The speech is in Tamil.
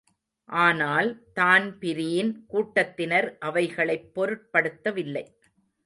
ஆனால் தான்பிரீன் கூட்டத்தினர் அவைகளைப் பொருட்படுத்தவில்லை.